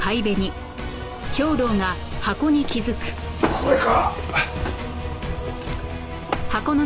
これか。